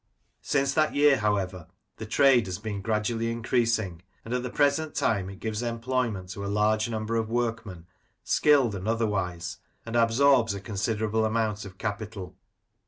Since that year, however, the trade has been gradually increasing, and at the present time it gives employment to a large number of workmen, skilled and otherwise, and absorbs a considerable amount of capital.